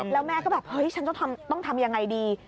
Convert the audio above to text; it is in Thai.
แล้วแม่ก็แบบเฮ้ยฉันต้องทำยังไงดี